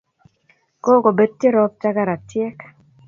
Kokobetchi ropta karatiek